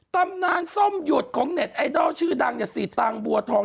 ตำนานส้มหยุดของเน็ตไอดอลชื่อดังเนี่ยสีตังบัวทอง